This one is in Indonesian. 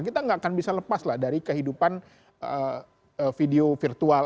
kita nggak akan bisa lepas lah dari kehidupan video virtual